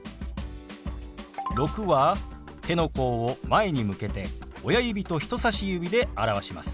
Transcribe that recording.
「６」は手の甲を前に向けて親指と人さし指で表します。